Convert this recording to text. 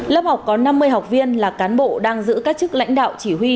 lớp học có năm mươi học viên là cán bộ đang giữ các chức lãnh đạo chỉ huy